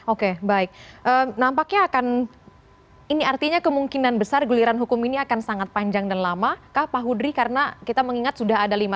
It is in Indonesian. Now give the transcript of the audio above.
oke baik nampaknya akan ini artinya kemungkinan besar guliran hukum ini akan sangat panjang dan lama kak pak hudri karena kita mengingat sudah ada lima